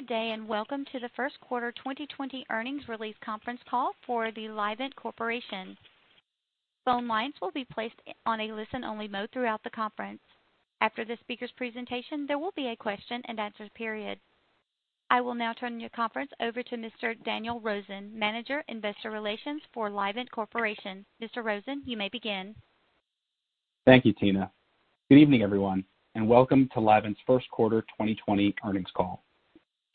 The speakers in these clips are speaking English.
Good day, and welcome to the First Quarter 2020 Earnings Release Conference Call for the Livent Corporation. Phone lines will be placed on a listen-only mode throughout the conference. After the speaker's presentation, there will be a question-and-answer period. I will now turn the conference over to Mr. Daniel Rosen, Manager, Investor Relations for Livent Corporation. Mr. Rosen, you may begin. Thank you, Tina. Good evening, everyone, and welcome to Livent's First Quarter 2020 Earnings Call.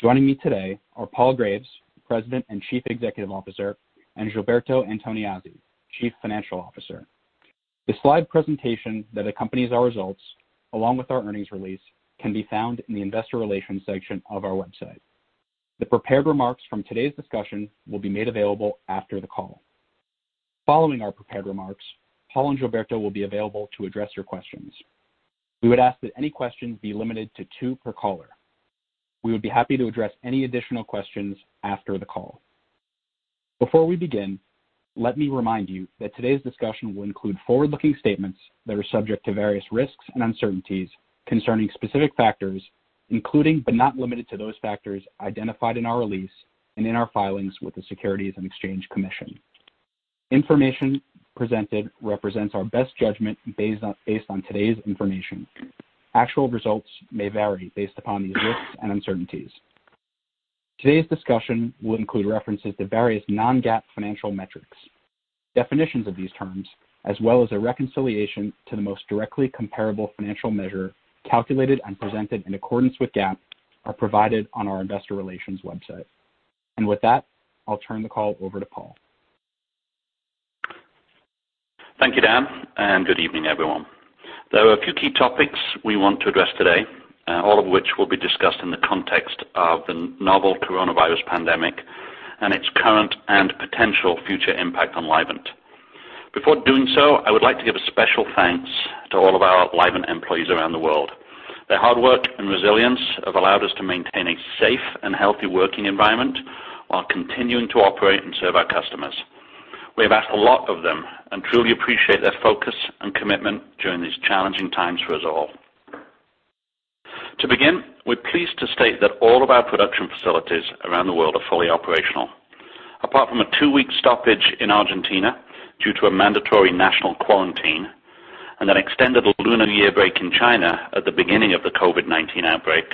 Joining me today are Paul Graves, President and Chief Executive Officer, and Gilberto Antoniazzi, Chief Financial Officer. The slide presentation that accompanies our results, along with our earnings release. Can be found in the Investor Relations section of our website. The prepared remarks from today's discussion, will be made available after the call. Following our prepared remarks, Paul and Gilberto will be available to address your questions. We would ask that any questions, be limited to two per caller. We would be happy to address, any additional questions after the call. Before we begin, let me remind you, that today's discussion will include forward-looking statements. That are subject to various risks, and uncertainties concerning specific factors. Including, but not limited to, those factors. Identified in our release, and in our filings with the Securities and Exchange Commission. Information presented represents our best judgment, based on today's information. Actual results may vary based upon these risks, and uncertainties. Today's discussion will include references, to various non-GAAP financial metrics. Definitions of these terms, as well as a reconciliation. To the most directly comparable financial measure calculated, and presented in accordance with GAAP. Are provided on our Investor Relations website. With that, I'll turn the call over to Paul. Thank you, Dan, and good evening, everyone. There are a few key topics, we want to address today. All of which will be discussed in the context, of the novel coronavirus pandemic, and its current, and potential future impact on Livent. Before doing so, I would like to give a special thanks. To all of our Livent employees around the world. Their hard work, and resilience have allowed us to maintain a safe, and healthy working environment. While continuing to operate, and serve our customers. We've asked a lot of them, and truly appreciate their focus, and commitment during these challenging times for us all. To begin, we're pleased to state that all of our production facilities, around the world are fully operational. Apart from a two-week stoppage in Argentina, due to a mandatory national quarantine. And an extended Lunar New Year break in China, at the beginning of the COVID-19 outbreak.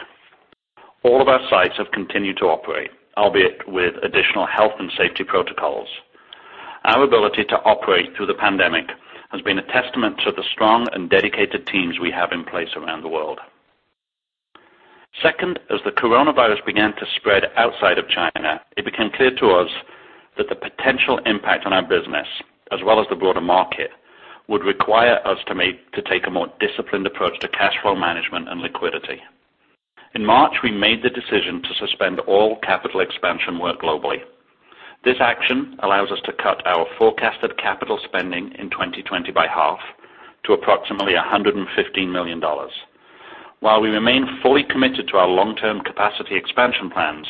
All of our sites have continued to operate. Albeit with additional health, and safety protocols. Our ability to operate through the pandemic. Has been a testament to the strong, and dedicated teams we have in place around the world. Second, as the coronavirus began to spread outside of China. It became clear to us, that the potential impact on our business, as well as the broader market. Would require us to take a more disciplined approach to cash flow management, and liquidity. In March, we made the decision, to suspend all capital expansion work globally. This action allows us to cut, our forecasted capital spending in 2020 by half, to approximately $115 million. While we remain fully committed, to our long-term capacity expansion plans.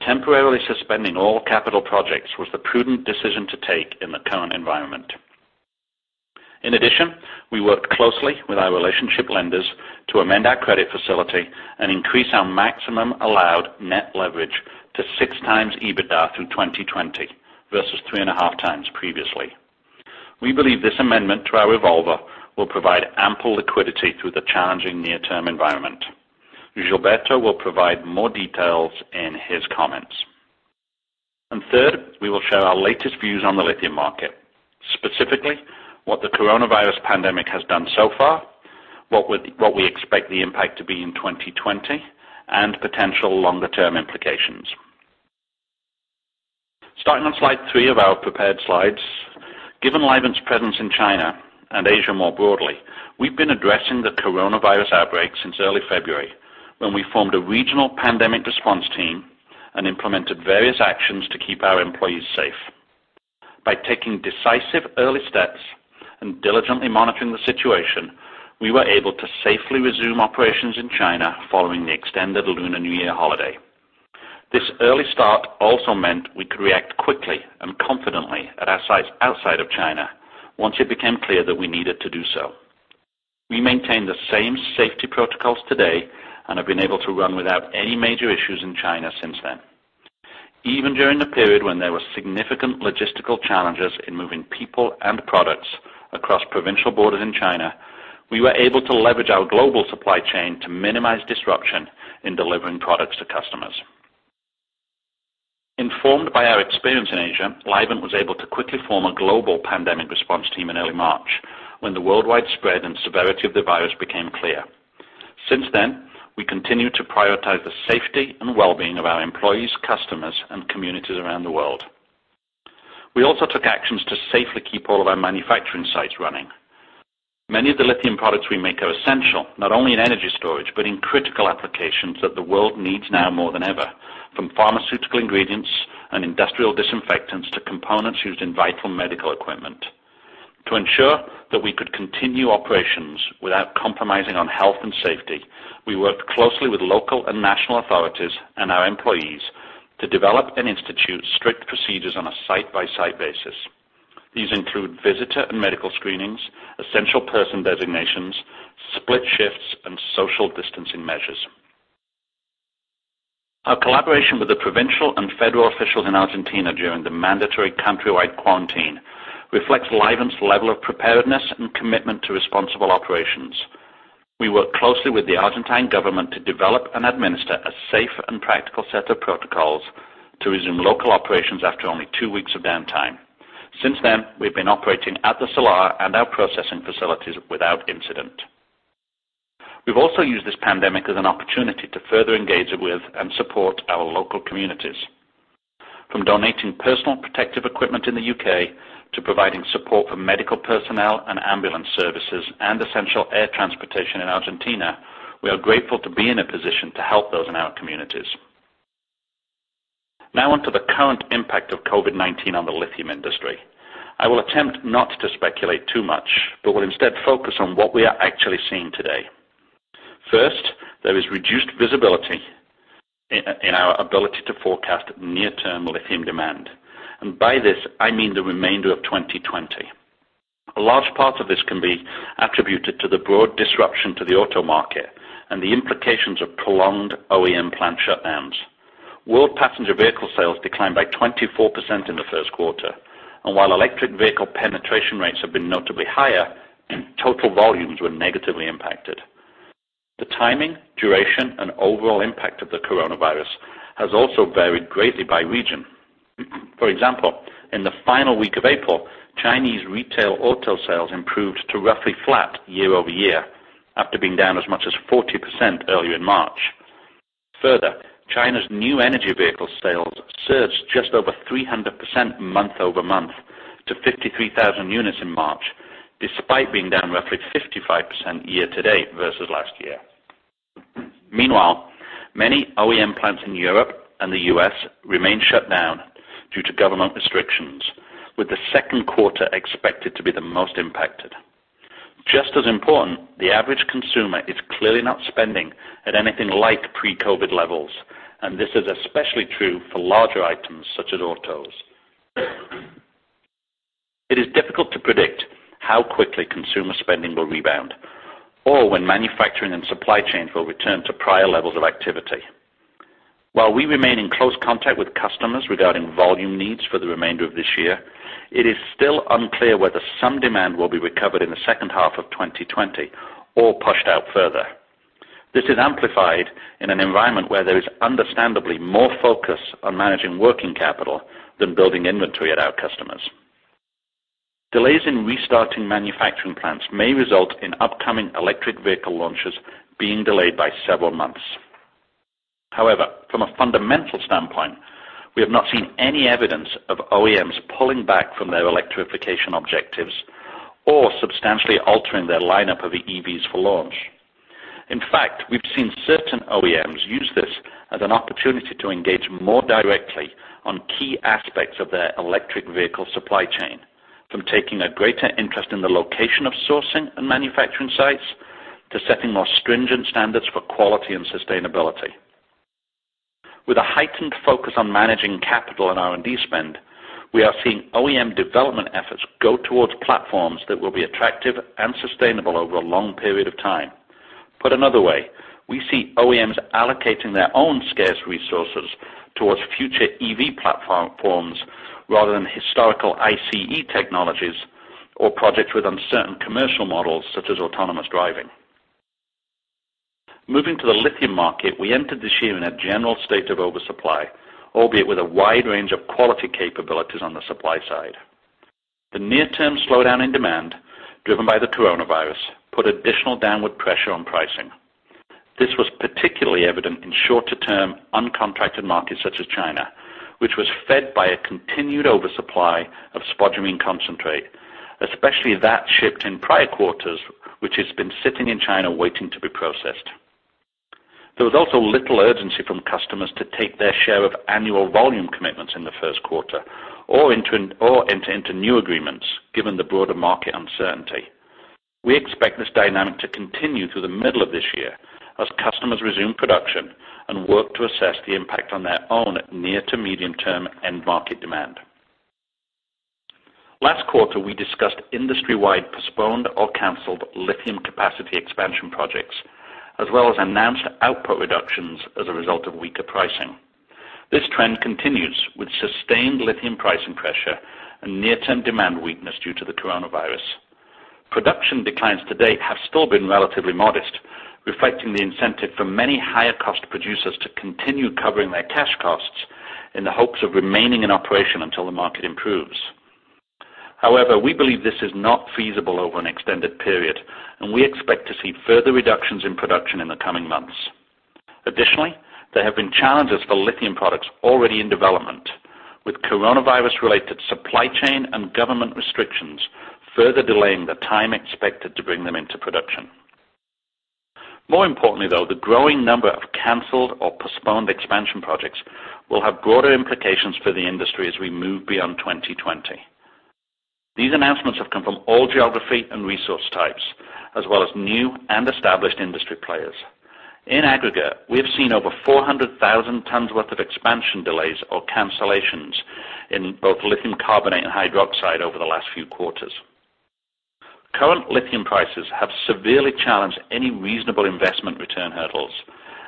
Temporarily suspending all capital projects, was the prudent decision to take in the current environment. In addition, we worked closely with our relationship lenders. To amend our credit facility, and increase our maximum allowed net leverage. To 6x EBITDA through 2020 versus 3.5x previously. We believe this amendment to our revolver. Will provide ample liquidity, through the challenging near-term environment. Gilberto will provide more details in his comments. Third, we will share our latest views on the lithium market. Specifically, what the coronavirus pandemic has done so far? What we expect the impact to be in 2020? And potential longer-term implications. Starting on slide three of our prepared slides, given Livent's presence in China, and Asia more broadly. We have been addressing the coronavirus outbreak since early February. When we formed a Regional Pandemic Response Team, and implemented various actions to keep our employees safe. By taking decisive early steps, and diligently monitoring the situation. We were able to safely resume operations in China, following the extended Lunar New Year holiday. This early start also meant we could react quickly, and confidently. At our sites outside of China, once it became clear that we needed to do so. We maintain the same safety protocols today, and have been able to run. Without any major issues in China since then. Even during the period, when there were significant logistical challenges. In moving people, and products across provincial borders in China. We were able to leverage our global supply chain, to minimize disruption in delivering products to customers. Informed by our experience in Asia. Livent was able to quickly form, a Global Pandemic Response Team in early March. When the worldwide spread, and severity of the virus became clear. Since then, we continue to prioritize the safety, and well-being of our employees, customers, and communities around the world. We also took actions, to safely keep all of our manufacturing sites running. Many of the lithium products, we make are essential. Not only in energy storage, but in critical applications that the world needs now more than ever. From pharmaceutical ingredients, and industrial disinfectants to components used in vital medical equipment. To ensure, that we could continue operations. Without compromising on health, and safety. We worked closely with local, and national authorities, and our employees. To develop, and institute strict procedures on a site-by-site basis. These include visitor, and medical screenings, essential person designations, split shifts, and social distancing measures. Our collaboration with the provincial, and federal officials in Argentina during the mandatory countrywide quarantine. Reflects Livent's level of preparedness, and commitment to responsible operations. We work closely with the Argentine government. To develop, and administer a safe, and practical set of protocols. To resume local operations, after only two weeks of downtime. Since then, we've been operating at the Salar, and our processing facilities without incident. We've also used this pandemic as an opportunity. To further engage with, and support our local communities. From donating personal protective equipment in the U.K. To providing support for medical personnel, and ambulance services, and essential air transportation in Argentina. We are grateful to be in a position, to help those in our communities. On to the current impact of COVID-19 on the lithium industry. I will attempt not to speculate too much, will instead focus on what we are actually seeing today. First, there is reduced visibility in our ability, to forecast near-term lithium demand. By this, I mean the remainder of 2020. A large part of this can be, attributed to the broad disruption to the auto market. And the implications of prolonged OEM plant shutdowns. World passenger vehicle sales, declined by 24% in the first quarter. While electric vehicle penetration rates, have been notably higher, total volumes were negatively impacted. The timing, duration, and overall impact of the coronavirus. Has also varied greatly by region. For example, in the final week of April. Chinese retail auto sales improved, to roughly flat year-over-year. After being down as much as 40% earlier in March. Further, China's New Energy Vehicle sales, surged just over 300% month-over-month to 53,000 units in March. Despite being down roughly 55% year-to-date versus last year. Meanwhile, many OEM plants in Europe, and the U.S. remain shut down. Due to government restrictions, with the second quarter expected to be the most impacted. Just as important, the average consumer is clearly not spending, at anything like pre-COVID levels. And this is especially true, for larger items such as autos. It is difficult to predict, how quickly consumer spending will rebound? Or when manufacturing, and supply chains will return to prior levels of activity. While we remain in close contact, with customers regarding volume needs, for the remainder of this year. It is still unclear whether some demand, will be recovered in the second half of 2020, or pushed out further. This is amplified in an environment, where there is understandably more focus. On managing working capital, than building inventory at our customers. Delays in restarting manufacturing plants, may result in upcoming electric vehicle launches, being delayed by several months. However, from a fundamental standpoint, we have not seen any evidence of OEMs pulling back. From their electrification objectives, or substantially altering their lineup of EVs for launch. In fact, we've seen certain OEMs use this as an opportunity. To engage more directly, on key aspects of their electric vehicle supply chain. From taking a greater interest in the location of sourcing, and manufacturing sites. To setting more stringent standards for quality, and sustainability. With a heightened focus on managing capital, and R&D spend. We are seeing OEM development efforts go towards platforms. That will be attractive, and sustainable over a long period of time. Put another way, we see OEMs allocating their own scarce resources. Towards future EV platforms, rather than historical ICE technologies. Or projects with uncertain commercial models, such as autonomous driving. Moving to the lithium market, we entered this year in a general state of oversupply. Albeit with a wide range of quality capabilities on the supply side. The near-term slowdown in demand, driven by the coronavirus. Put additional downward pressure on pricing. This was particularly evident in shorter-term, uncontracted markets such as China. Which was fed by a continued oversupply of spodumene concentrate. Especially that shipped in prior quarters, which has been sitting in China waiting to be processed. There was also little urgency from customers, to take their share of annual volume commitments in the first quarter. Or enter into new agreements, given the broader market uncertainty. We expect this dynamic, to continue through the middle of this year. As customers resume production, and work to assess the impact. On their own near to medium term end market demand. Last quarter, we discussed industry-wide postponed or canceled lithium capacity expansion projects. As well as announced output reductions, as a result of weaker pricing. This trend continues with sustained lithium pricing pressure, and near-term demand weakness due to the coronavirus. Production declines to date, have still been relatively modest. Reflecting the incentive for many higher-cost producers, to continue covering their cash costs. In the hopes of remaining in operation, until the market improves. We believe this is not feasible, over an extended period. And we expect to see further reductions, in production in the coming months. Additionally, there have been challenges for lithium products already in development. With coronavirus-related supply chain, and government restrictions. Further delaying the time expected to bring them into production. More importantly, though, the growing number of canceled or postponed expansion projects. Will have broader implications for the industry, as we move beyond 2020. These announcements have come from all geography, and resource types. As well as new and established industry players. In aggregate, we have seen over 400,000 tons worth of expansion delays or cancellations. In both lithium carbonate, and hydroxide over the last few quarters. Current lithium prices have severely challenged, any reasonable investment return hurdles.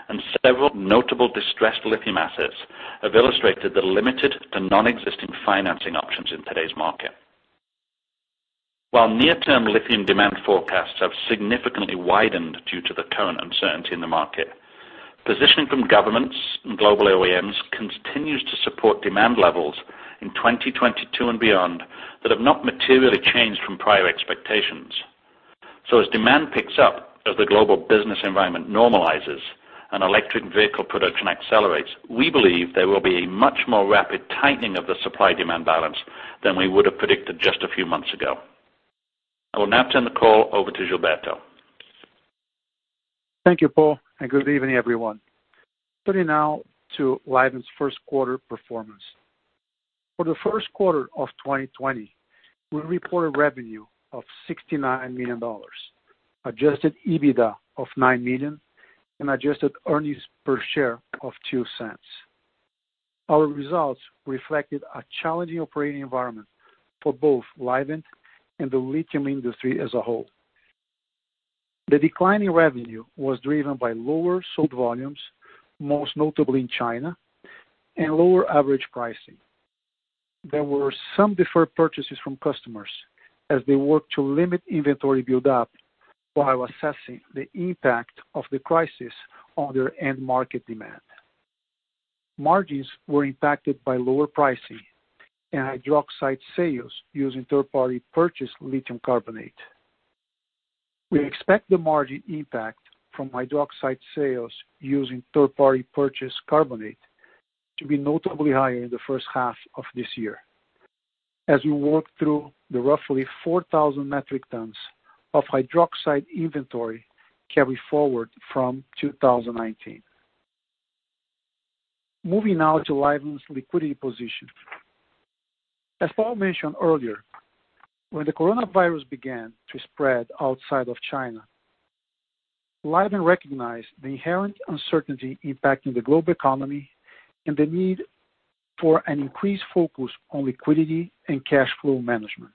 And several notable distressed lithium assets, have illustrated the limited. To non-existing financing options in today's market. While near-term lithium demand forecasts, have significantly widened. Due to the current uncertainty in the market, positioning from governments, and global OEMs. Continues to support demand levels in 2022, and beyond. That have not materially changed from prior expectations. As demand picks up, as the global business environment normalizes. And electric vehicle production accelerates, we believe there will be a much more rapid tightening of the supply-demand balance. Than we would've predicted, just a few months ago. I will now turn the call over to Gilberto. Thank you, Paul, and good evening, everyone. Turning now to Livent's first quarter performance. For the first quarter of 2020, we reported revenue of $69 million. Adjusted EBITDA of $9 million, and adjusted earnings per share of $0.02. Our results reflected a challenging operating environment for both Livent, and the lithium industry as a whole. The decline in revenue, was driven by lower sold volumes. Most notably in China, and lower average pricing. There were some deferred purchases from customers, as they worked to limit inventory build-up. While assessing the impact of the crisis, on their end market demand. Margins were impacted by lower pricing, and hydroxide sales using third-party purchased lithium carbonate. We expect the margin impact, from hydroxide sales using third-party purchased carbonate. To be notably higher in the first half of this year. As we work through the roughly 4,000 metric tons, of hydroxide inventory carried forward from 2019. Moving now to Livent's liquidity position. As Paul mentioned earlier, when the coronavirus began to spread outside of China. Livent recognized the inherent uncertainty, impacting the global economy. And the need for an increased focus on liquidity, and cash flow management.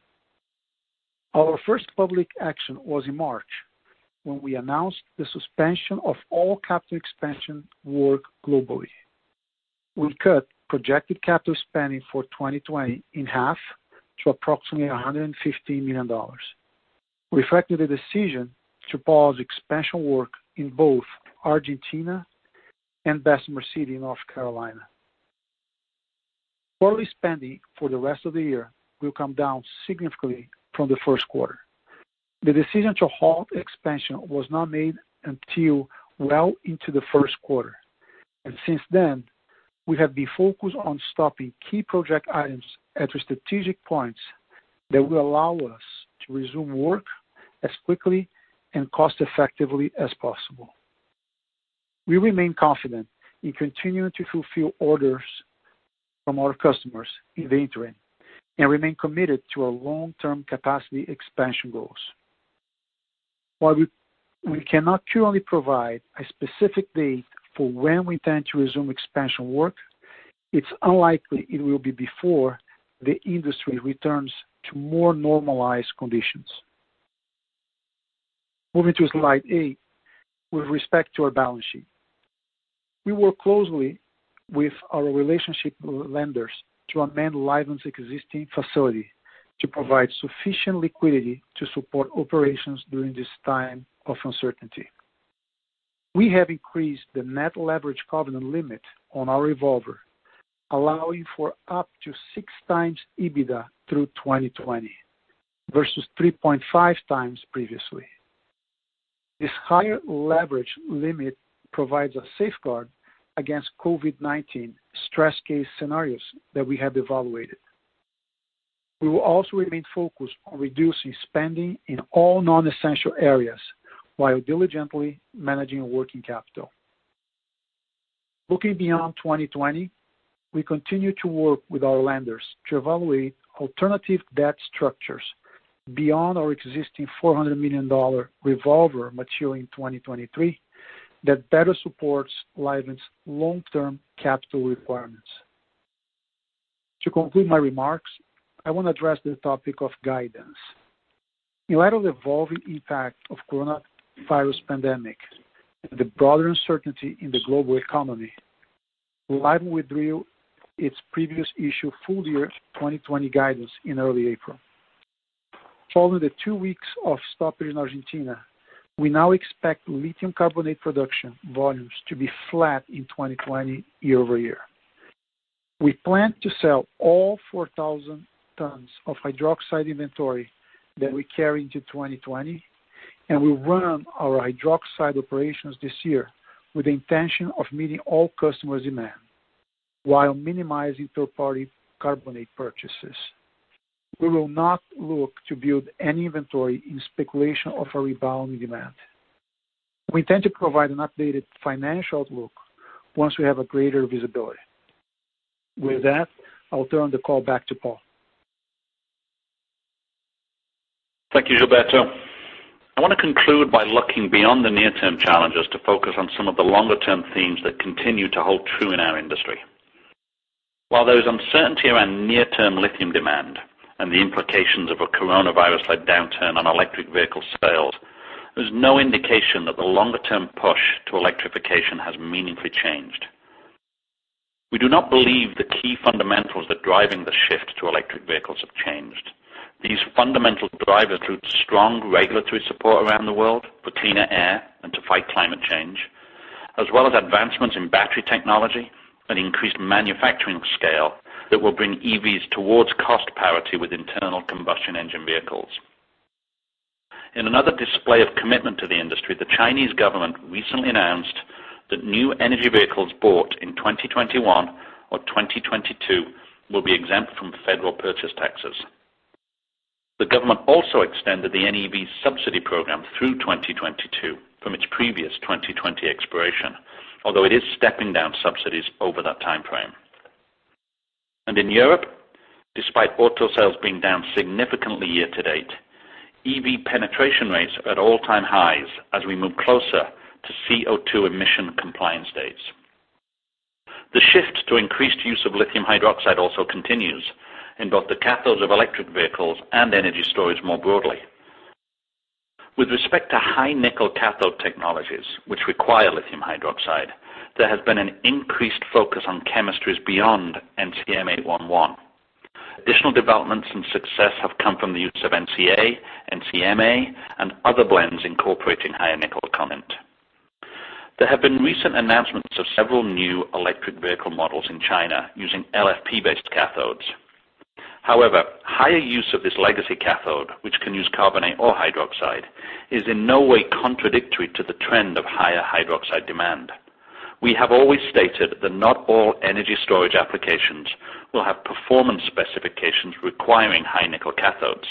Our first public action was in March. When we announced the suspension, of all capital expansion work globally. We cut projected capital spending for 2020 in half, to approximately $115 million. We reflected the decision, to pause expansion work in both Argentina, and Bessemer City, North Carolina. Capital spending for the rest of the year, will come down significantly from the first quarter. The decision to halt expansion, was not made until well into the first quarter. And since then, we have been focused on stopping key project items. At strategic points that will allow us, to resume work as quickly, and cost-effectively as possible. We remain confident in continuing to fulfill orders, from our customers in the interim. And remain committed, to our long-term capacity expansion goals. While we cannot currently provide a specific date, for when we plan to resume expansion work. It's unlikely it will be before the industry returns, to more normalized conditions. Moving to slide eight. With respect to our balance sheet, we work closely with our relationship lenders. To amend Livent's existing facility, to provide sufficient liquidity. To support operations during this time of uncertainty. We have increased the net leverage covenant limit on our revolver. Allowing for up to 6x EBITDA through 2020 versus 3.5x previously. This higher leverage limit provides a safeguard, against COVID-19 stress case scenarios that we have evaluated. We will also remain focused, on reducing spending in all non-essential areas. While diligently managing working capital. Looking beyond 2020, we continue to work with our lenders. To evaluate alternative debt structures, beyond our existing $400 million revolver maturing in 2023. That better supports Livent's long-term capital requirements. To conclude my remarks, I want to address the topic of guidance. In light of the evolving impact of coronavirus pandemic, and the broader uncertainty in the global economy, Livent withdrew its previous issued full-year 2020 guidance in early April. Following the two weeks of stoppage in Argentina. We now expect lithium carbonate production volumes, to be flat in 2020 year-over-year. We plan to sell all 4,000 tons of hydroxide inventory, that we carry into 2020. And we run our hydroxide operations this year. With the intention of meeting all customers' demand, while minimizing third-party carbonate purchases. We will not look to build any inventory, in speculation of a rebound in demand. We intend to provide an updated financial outlook, once we have a greater visibility. With that, I'll turn the call back to Paul. Thank you, Gilberto. I want to conclude by looking beyond the near-term challenges. To focus on some of the longer-term themes, that continue to hold true in our industry. While there is uncertainty around near-term lithium demand, and the implications of a coronavirus-led downturn on electric vehicle sales. There's no indication that the longer-term push, to electrification has meaningfully changed. We do not believe the key fundamentals, that driving the shift to electric vehicles have changed. These fundamental drivers, include strong regulatory support around the world, for cleaner air, and to fight climate change. As well as advancements in battery technology, and increased manufacturing scale. That will bring EVs towards cost parity, with Internal Combustion Engine vehicles. In another display of commitment to the industry, the Chinese government recently announced. That New Energy Vehicles bought in 2021 or 2022, will be exempt from federal purchase taxes. The government also extended the NEV subsidy program. Through 2022, from its previous 2020 expiration. Although it is stepping down subsidies over that timeframe. In Europe, despite auto sales being down significantly year to date. EV penetration rates are at all-time highs, as we move closer, to CO₂ emission compliance dates. The shift to increased use of lithium hydroxide also continues. In both the cathodes of electric vehicles, and energy storage more broadly. With respect to high nickel cathode technologies, which require lithium hydroxide. There has been an increased focus on chemistries beyond NCM 811. Additional developments, and success have come from the use of NCA, NCMA. And other blends incorporating higher nickel content. There have been recent announcements, of several new electric vehicle models in China, using LFP-based cathodes. However, higher use of this legacy cathode, which can use carbonate or hydroxide. Is in no way contradictory, to the trend of higher hydroxide demand. We have always stated that not all energy storage applications. Will have performance specifications requiring high nickel cathodes.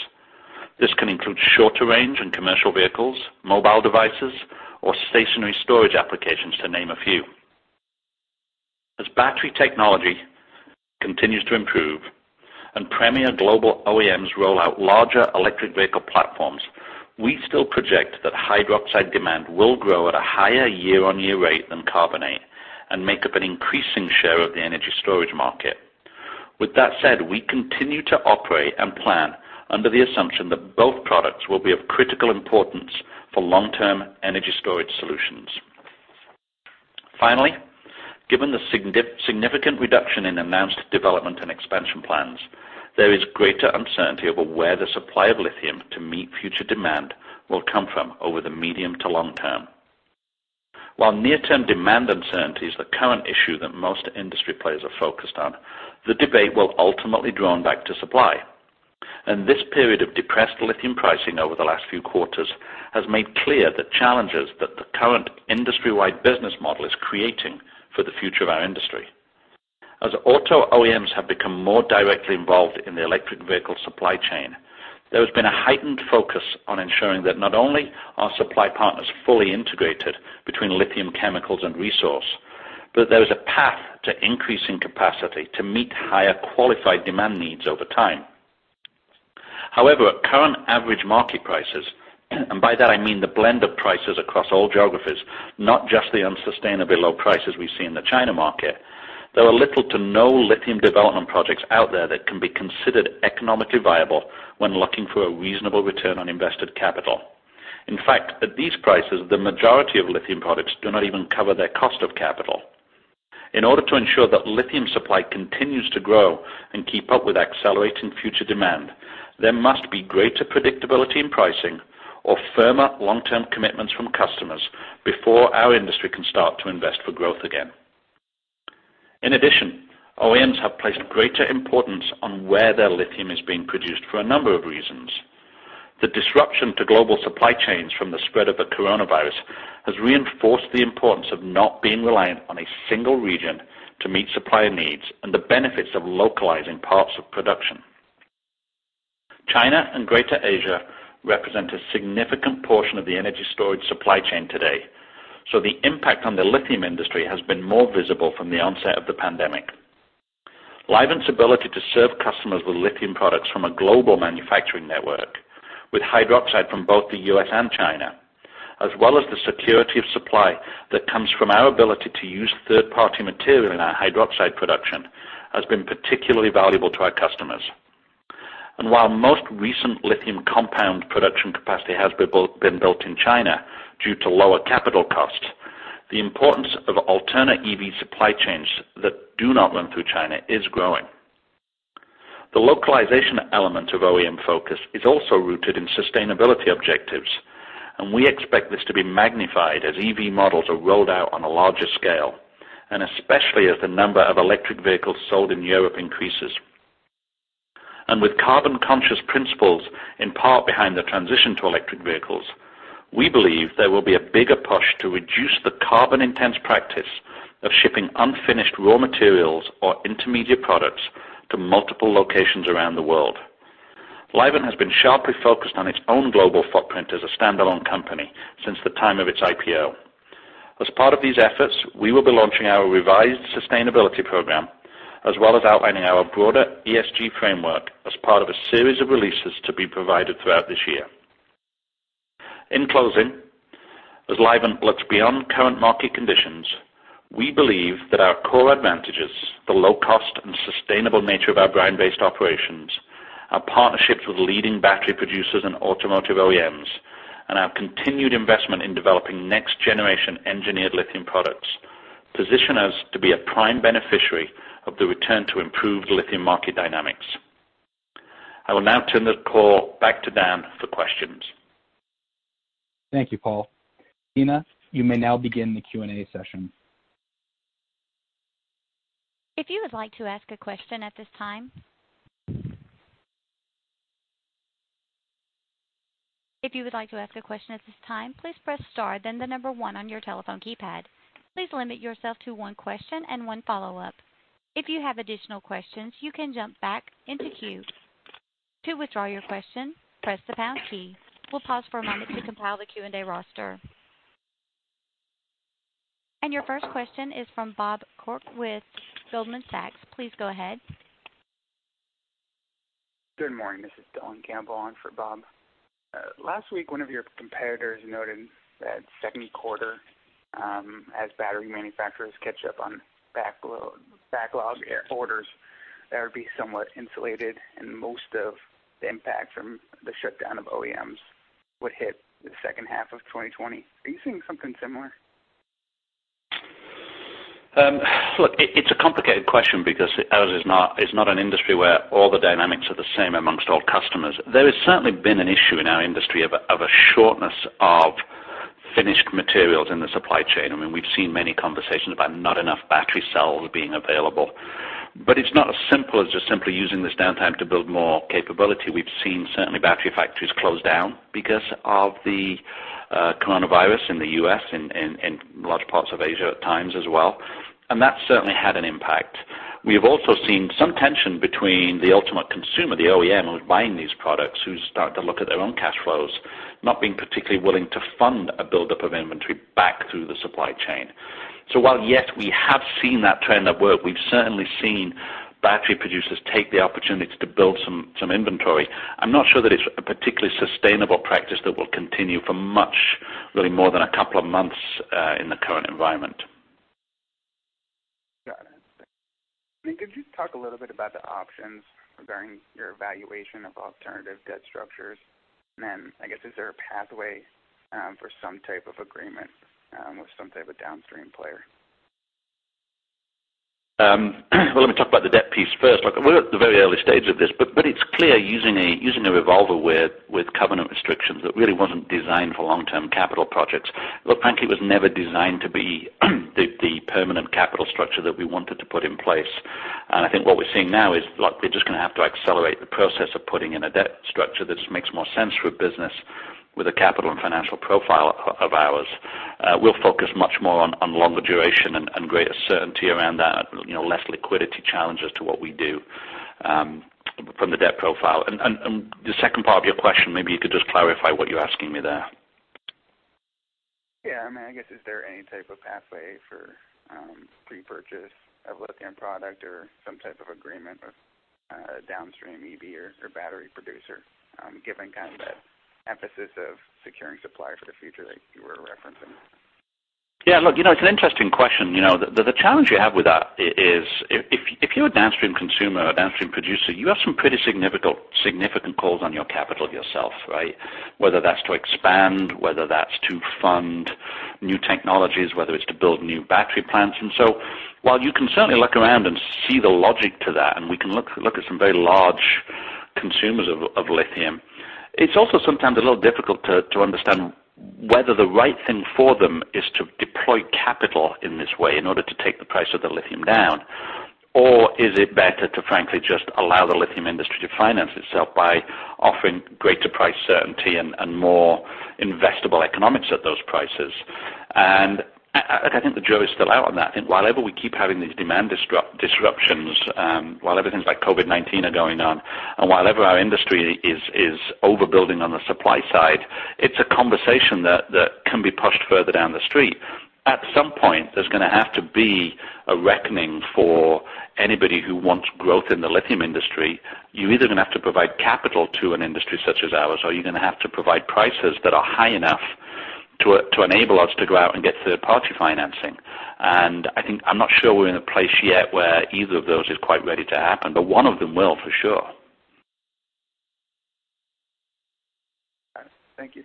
This can include shorter range in commercial vehicles, mobile devices, or stationary storage applications, to name a few. As battery technology continues to improve. And premier global OEMs roll out larger electric vehicle platforms. We still project that hydroxide demand, will grow at a higher year-on-year rate than carbonate. And make up an increasing share of the energy storage market. With that said, we continue to operate, and plan under the assumption that both products. Will be of critical importance, for long-term energy storage solutions. Finally, given the significant reduction in announced development, and expansion plans. There is greater uncertainty over, where the supply of lithium to meet future demand. Will come from over the medium to long term. While near-term demand uncertainty is the current issue, that most industry players are focused on. The debate will ultimately drawn back to supply. This period of depressed lithium pricing over the last few quarters, has made clear the challenges. That the current industry-wide business model is creating, for the future of our industry. As auto OEMs have become more directly involved, in the electric vehicle supply chain. There has been a heightened focus, on ensuring that not only are supply partners fully integrated. Between lithium chemicals, and resource. But there is a path to increasing capacity, to meet higher qualified demand needs over time. At current average market prices, and by that I mean the blend of prices across all geographies. Not just the unsustainable low prices, we see in the China market. There are little to no lithium development projects out there, that can be considered economically viable. When looking for a reasonable return on invested capital. In fact, at these prices, the majority of lithium products. Do not even cover their cost of capital. In order to ensure that lithium supply continues to grow, and keep up with accelerating future demand. There must be greater predictability in pricing, or firmer long-term commitments from customers. Before our industry can start, to invest for growth again. In addition, OEMs have placed greater importance on, where their lithium is being produced, for a number of reasons. The disruption to global supply chains, from the spread of the coronavirus. Has reinforced the importance of not being reliant on a single region. To meet supply needs, and the benefits of localizing parts of production. China, and Greater Asia represent a significant portion of the energy storage supply chain today. So, the impact on the lithium industry, has been more visible from the onset of the pandemic. Livent's ability to serve customers, with lithium products from a global manufacturing network. With hydroxide from both the U.S., and China. As well as the security of supply, that comes from our ability. To use third-party material in our hydroxide production, has been particularly valuable to our customers. While most recent lithium compound production capacity, has been built in China, due to lower capital costs. The importance of alternate EV supply chains, that do not run through China is growing. The localization element of OEM focus, is also rooted in sustainability objectives. And we expect this to be magnified, as EV models are rolled out on a larger scale. And especially as the number of electric vehicles sold in Europe increases. With carbon-conscious principles, in part behind the transition to electric vehicles. We believe there will be a bigger push, to reduce the carbon-intense practice of shipping unfinished raw materials. Or intermediate products, to multiple locations around the world. Livent has been sharply focused on its own global footprint, as a standalone company since the time of its IPO. As part of these efforts, we will be launching our revised sustainability program. As well as outlining our broader ESG framework, as part of a series of releases. To be provided throughout this year. In closing, as Livent looks beyond current market conditions. We believe, that our core advantages. The low cost, and sustainable nature of our brine-based operations. Our partnerships with leading battery producers, and automotive OEMs. And our continued investment, in developing next generation engineered lithium products. Position us to be a prime beneficiary of the return, to improved lithium market dynamics. I will now turn the call back to Dan for questions. Thank you, Paul. Tina, you may now begin the Q&A session. If you would like to ask a question at this time. Please press star, then the number one on your telephone keypad. Please limit yourself to one question, and one follow-up. If you have additional questions, you can jump back into queue. To withdraw your question, press the pound key. We'll pause for a moment, to compile the Q&A roster. Your first question is from, Bob Koort with Goldman Sachs. Please go ahead. Good morning. This is Dylan Campbell on for Bob. Last week, one of your competitors noted. That second quarter, as battery manufacturers catch up on backlog orders. That would be somewhat insulated, and most of the impact from the shutdown of OEMs, would hit the second half of 2020. Are you seeing something similar? Look, it's a complicated question, because ours is not an industry. Where all the dynamics, are the same amongst all customers. There has certainly been an issue in our industry, of a shortness of finished materials in the supply chain. We've seen many conversations, about not enough battery cells being available. It's not as simple, as just simply using this downtime to build more capability. We've seen certainly battery factories close down. Because of the coronavirus in the U.S., and large parts of Asia at times as well. And that certainly had an impact. We have also seen some tension, between the ultimate consumer, the OEM, who's buying these products. Who's starting to look at their own cash flows. Not being particularly willing to fund, a buildup of inventory back through the supply chain. While, yes, we have seen that trend at work. We've certainly seen battery producers, take the opportunity to build some inventory. I'm not sure that, it's a particularly sustainable practice. That will continue for much, really more than a couple of months in the current environment. Got it. Could you talk a little bit about the options, regarding your evaluation of alternative debt structures? I guess is there a pathway for some type of agreement, with some type of downstream player? Well, let me talk about the debt piece first. Look, we're at the very early stage of this. But it's clear using a revolver, with covenant restrictions. That really wasn't designed for long-term capital projects. Look, frankly, it was never designed, to be the permanent capital structure. That we wanted to put in place. I think what we're seeing now is we're just going to have, to accelerate the process of putting in a debt structure. That makes more sense for a business with a capital, and financial profile of ours. We'll focus much more on longer duration, and greater certainty around that. Less liquidity challenges, to what we do from the debt profile. The second part of your question, maybe you could just clarify. What you're asking me there? Yeah. I guess, is there any type of pathway, for pre-purchase of lithium product? Or some type of agreement, with a downstream EV or battery producer. Given that emphasis of securing supply for the future, that you were referencing? Yeah, look, it's an interesting question. The challenge you have with that, is if you're a downstream consumer or downstream producer. You have some pretty significant calls on your capital yourself, right? Whether that's to expand, whether that's to fund new technologies. Whether it's to build new battery plants. While you can certainly look around, and see the logic to that. And we can look at some very large consumers of lithium. It's also sometimes a little difficult to understand. Whether the right thing for them is to deploy capital in this way. In order to take the price of the lithium down. Is it better to frankly, just allow the lithium industry. To finance itself, by offering greater price certainty. And more investable economics at those prices? I think, the jury's still out on that. While ever we keep having these demand disruptions. While everything's like COVID-19 are going on, and while ever our industry is overbuilding on the supply side. It's a conversation, that can be pushed further down the street. At some point, there's going to have to be a reckoning. For anybody who wants growth in the lithium industry. You're either going to have, to provide capital, to an industry such as ours. Or you're going to have, to provide prices that are high enough. To enable us to go out, and get third-party financing. I'm not sure we're in a place yet, where either of those is quite ready to happen. But one of them will for sure. Got it, thank you.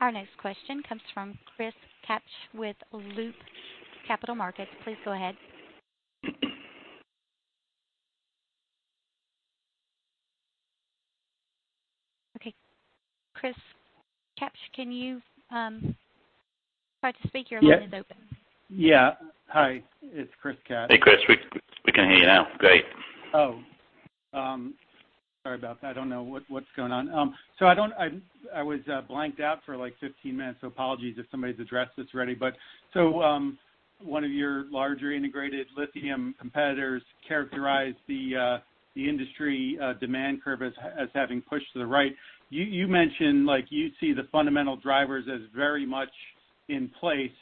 Our next question comes from, Chris Kapsch with Loop Capital Markets. Please go ahead. Okay, Chris Kapsch, can you try to speak? Your line is open. Yeah. Hi, it's Chris Kapsch. Hey, Chris. We can hear you now, great. Oh, sorry about that. I don't know what's going on. I was blanked out for 15 minutes, so apologies if somebody's addressed this already. One of your larger integrated lithium competitors. Characterized the industry demand curve, as having pushed to the right? You mentioned, you see the fundamental drivers as very much in place.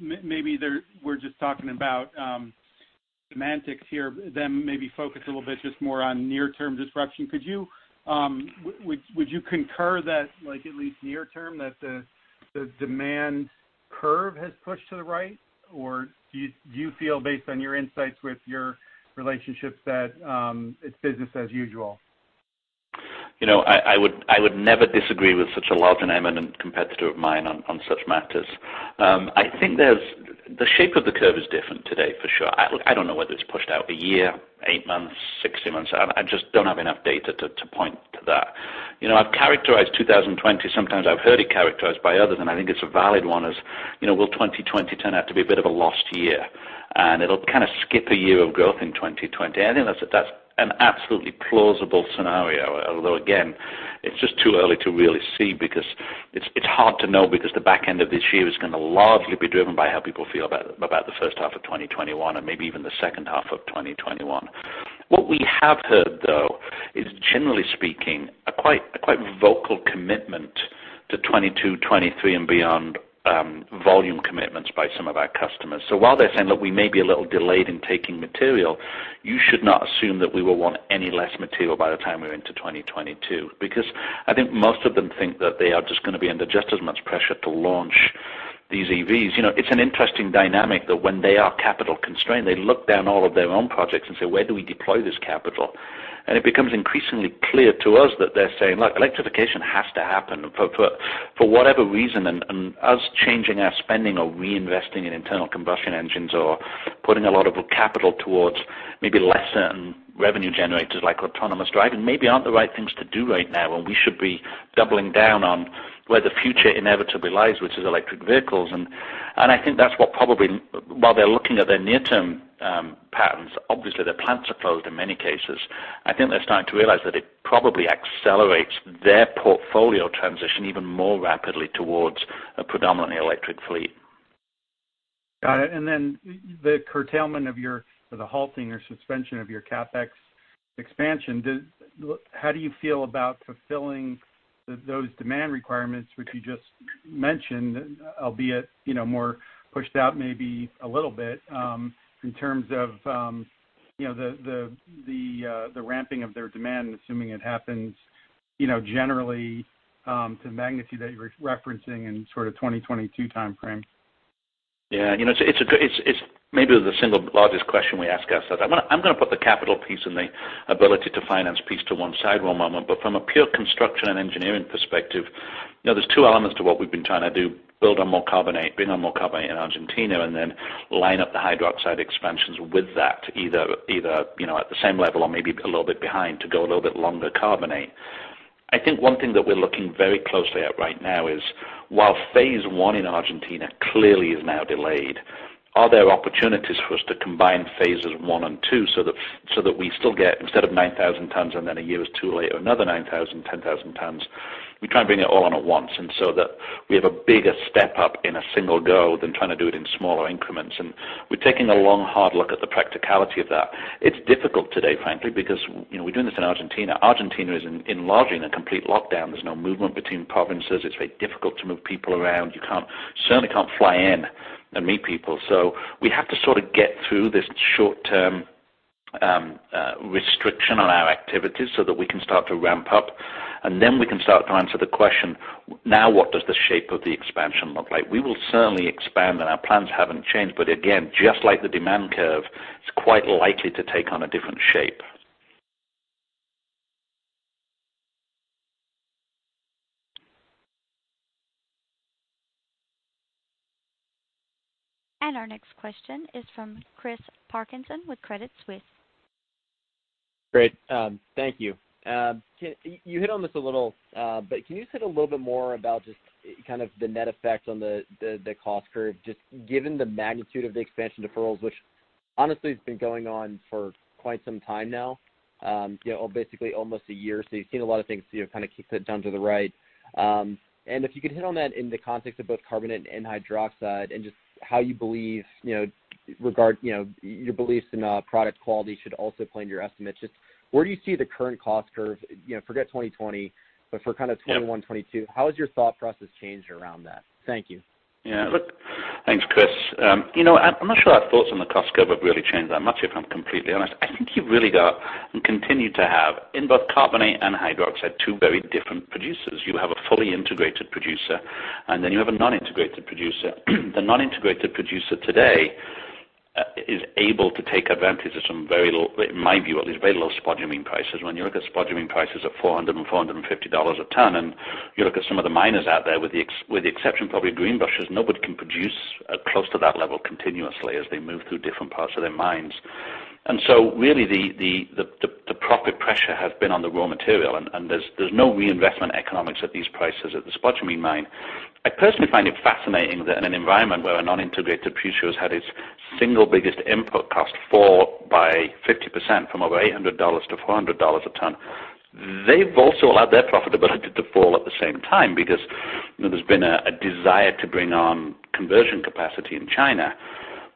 Maybe we're just talking about semantics here. Them maybe focused, a little bit just more on near-term disruption. Would you concur that, at least near term? That the demand curve, has pushed to the right? Do you feel, based on your insights with your relationships, that it's business as usual? I would never disagree with such a large, and eminent competitor of mine on such matters. I think the shape of the curve is different today, for sure. I don't know whether it's pushed out a year, eight months, six months. I just don't have enough data to point to that. I've characterized 2020, sometimes I've heard it characterized by others. And I think it's a valid one, as will 2020 turn out to be a bit of a lost year. And it'll kind of skip a year of growth in 2020. I think, that's an absolutely plausible scenario. Although, again, it's just too early to really see, because it's hard to know. Because the back end of this year is going to largely be driven. By how people feel about the first half of 2021, and maybe even the second half of 2021. What we have heard, though, is generally speaking. A quite vocal commitment to 2022, 2023, and beyond volume commitments by some of our customers. While they're saying, "Look, we may be a little delayed in taking material. You should not assume, that we will want any less material by the time we're into 2022." Because I think most of them think, that they are just going to be under, just as much pressure to launch these EVs. It's an interesting dynamic that, when they are capital constrained. They look down all of their own projects, and say, "Where do we deploy this capital?" It becomes increasingly clear to us that they're saying, "Look, electrification has to happen for whatever reason. And us changing our spending or reinvesting in Internal Combustion Engines, or putting a lot of capital towards. Maybe lesser revenue generators, like autonomous driving. Maybe aren't the right things to do right now, and we should be doubling down. On where the future inevitably lies, which is electric vehicles." I think while they're looking at their near-term patterns. Obviously, their plants are closed in many cases. I think, they're starting to realize. That it probably accelerates their portfolio transition. Even more rapidly towards, a predominantly electric fleet. Got it. The curtailment of your, or the halting or suspension of your CapEx expansion. How do you feel, about fulfilling those demand requirement? Which you just mentioned, albeit more pushed out maybe a little bit? In terms of the ramping of their demand, assuming it happens. You know, generally to the magnitude, that you're referencing in sort of 2022 timeframe? Yeah. It's maybe the single largest question we ask ourselves. I'm going to put the capital piece, and the ability to finance piece, to one side one moment. From a pure construction, and engineering perspective. There's two elements to, what we've been trying to do? Build on more carbonate, bring on more carbonate in Argentina. And then line up the hydroxide expansions with that. Either at the same level, or maybe a little bit behind. To go a little bit longer carbonate. I think one thing, that we're looking very closely at right now is. While phase I in Argentina clearly is now delayed. Are there opportunities for us to combine phases I, and phase II so that we still get. Instead of 9,000 tons, and then a year was too late, or another 9,000 tons, 10,000 tons. We try, and bring it all on at once, and so that we have a bigger step up. In a single go, than trying to do it in smaller increments. We're taking a long, hard look at the practicality of that. It's difficult today, frankly, because we're doing this in Argentina. Argentina is in largely in a complete lockdown. There's no movement between provinces. It's very difficult to move people around. You certainly can't fly in, and meet people. We have to sort of get through this short-term restriction on our activities, so that we can start to ramp up. And then we can start, to answer the question. Now what does the shape of the expansion look like? We will certainly expand, and our plans haven't changed. But again, just like the demand curve, it's quite likely to take on a different shape. Our next question is from, Chris Parkinson with Credit Suisse. Great, thank you. You hit on this a little, but can you just hit a little bit more, about just kind of the net effect on the cost curve? Just given the magnitude of the expansion deferrals. Which honestly has been going on for quite some time now, basically almost a year? You've seen a lot of things, kind of kicked down to the right. If you could hit on that in the context of both carbonate, and hydroxide? And just how your beliefs in product quality, should also play into your estimates? Just where do you see the current cost curve, forget 2020, but for kind of 2021, 2022? How has your thought process changed around that? Thank you. Yeah. Look, thanks, Chris. I'm not sure, our thoughts on the cost curve. Have really changed that much, if I'm completely honest. I think you've really got, and continue to have. In both carbonate, and hydroxide two very different producers. You have a fully integrated producer, and then you have a non-integrated producer. The non-integrated producer today, is able to take advantage of some very low. In my view at least, very low spodumene prices. When you look at spodumene prices at $400 and $450 a ton, and you look at some of the miners out there. With the exception probably of Greenbushes, nobody can produce. Close to that level continuously, as they move through different parts of their mines. Really the profit pressure, has been on the raw material. And there's no reinvestment economics, at these prices at the spodumene mine. I personally, find it fascinating that in an environment, where a non-integrated producer. Has had its single biggest input cost fall by 50%, from over $800-$400 a ton. They've also allowed their profitability, to fall at the same time. Because there's been a desire, to bring on conversion capacity in China.